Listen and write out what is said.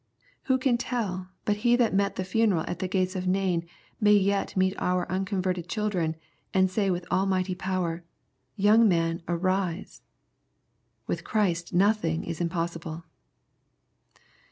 Who can tell but He that met the funeral at the gates of Nain may yet meet our unconverted chil dren, and say with almighty power, " Young man, arise.'* With Christ nothing is impossible.